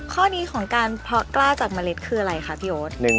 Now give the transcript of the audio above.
ข้อนี้ของการเพาะกล้าจากเมล็ดคืออะไรคะพี่โอ๊ต